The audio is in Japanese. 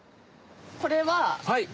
これは。